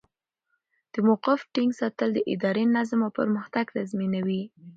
د موقف ټینګ ساتل د ادارې نظم او پرمختګ تضمینوي.